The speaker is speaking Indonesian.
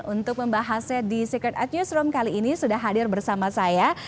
untuk membahasnya di secret at newsroom kali ini sudah hadir bersama saya